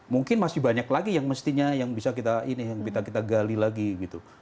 mungkin masih banyak lagi yang mestinya yang bisa kita gali lagi gitu